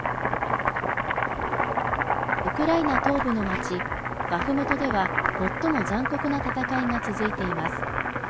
ウクライナ東部の町バフムトでは最も残酷な戦いが続いています。